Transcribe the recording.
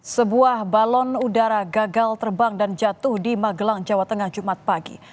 sebuah balon udara gagal terbang dan jatuh di magelang jawa tengah jumat pagi